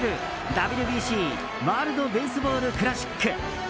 ＷＢＣ・ワールド・ベースボール・クラシック。